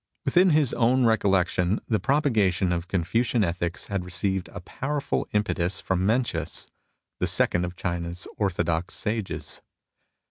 Within his own recollection the propagation of Confucian ethics had received a powerful impetus from Mencius, the second of China's orthodox sages.